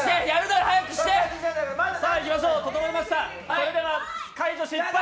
それでは解除失敗！